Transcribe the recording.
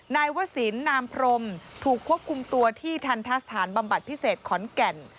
นายวศิลปนามพรมถูกควบคุมตัวที่ทันทะสถานบำบัดพิเศษขอนแก่น